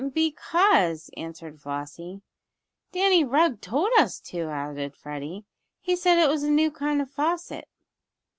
"Because," answered Flossie. "Danny Rugg told us to," added Freddie. "He said it was a new kind of faucet."